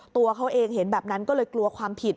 ตัวเขาเองเห็นแบบนั้นก็เลยกลัวความผิด